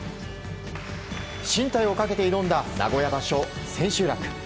進退をかけて挑んだ名古屋場所千秋楽。